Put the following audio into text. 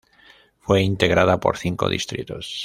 Fue integrada por cinco distritos.